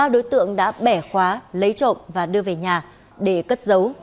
ba đối tượng đã bẻ khóa lấy trộm và đưa về nhà để cất giấu